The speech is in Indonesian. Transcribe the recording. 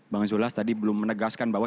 bang zulhas tadi belum menegaskan bahwa